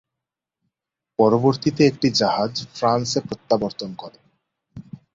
পরবর্তীতে একটি জাহাজ ফ্রান্সে প্রত্যাবর্তন করে।